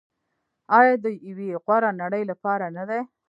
آیا د یوې غوره نړۍ لپاره نه دی؟